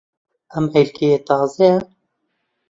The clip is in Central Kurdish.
ئەم ھێلکەیە تازەیە.